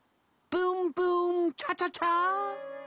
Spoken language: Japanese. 「ブーンブーンチャチャチャ」アハ。